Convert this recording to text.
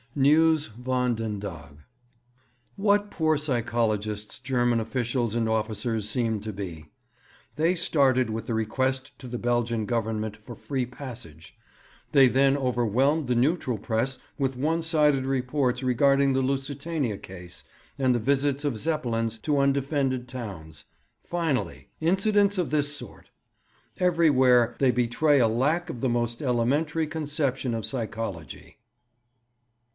Nieuws Van Den Dag. 'What poor psychologists German officials and officers seem to be! They started with the request to the Belgian Government for free passage; they then overwhelmed the neutral press with one sided reports regarding the Lusitania case and the visits of Zeppelins to undefended towns; finally, incidents of this sort! Everywhere they betray a lack of the most elementary conception of psychology.'